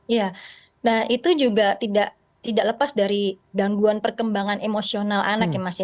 ya itu juga tidak lepas dari gangguan perkembangan emosional anaknya